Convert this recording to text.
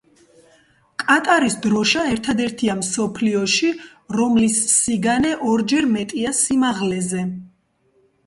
კატარის დროშა ერთადერთია მსოფლიოში, რომლის სიგანე ორჯერ მეტია სიმაღლეზე.